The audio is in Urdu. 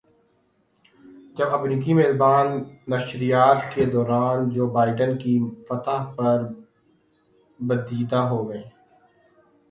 جب امریکی میزبان نشریات کے دوران جو بائیڈن کی فتح پر بدیدہ ہوگئے